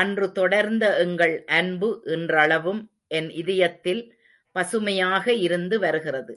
அன்று தொடர்ந்த எங்கள் அன்பு இன்றளவும் என் இதயத்தில் பசுமையாக இருந்து வருகிறது.